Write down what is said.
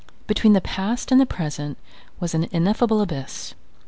Between the past and the present was an ineffable abyss.